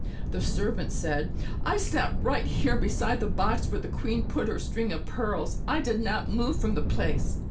The servant said: "I sat right here beside the box where the queen put her string of pearls. I did not move from the place.